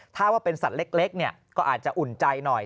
ถ้าว่าเป็นสัตว์เล็กก็อาจจะอุ่นใจหน่อย